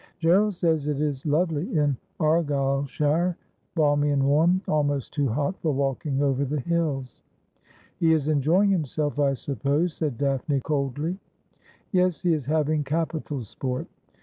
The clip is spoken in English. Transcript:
' G erald says it is lovely in Argyleshire ; balmy and warm ; almost too hot for walking over the hills.' ' He is enjoying himself, I suppose,' said Daphne coldly. ' Yes ; he is having capital sport.'